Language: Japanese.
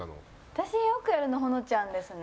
私よくやるの保乃ちゃんですね。